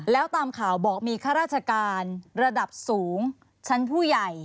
แล้วตามข่าวบอกมีข้าราชการระดับสูงชั้นผู้ใหญ่